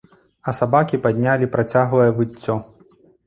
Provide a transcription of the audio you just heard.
А сабакі паднялі працяглае выццё.